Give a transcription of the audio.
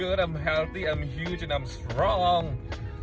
saya kembali saya baik saya sehat saya besar dan saya kuat